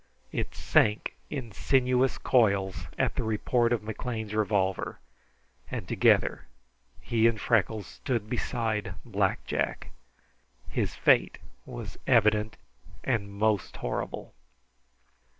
It sank in sinuous coils at the report of McLean's revolver, and together he and Freckles stood beside Black Jack. His fate was evident and most horrible.